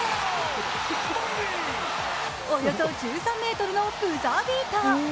およそ１３ｍのブザービーター。